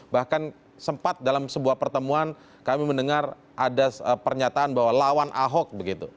bahkan sempat dalam sebuah pertemuan kami mendengar ada pernyataan bahwa lawan ahok begitu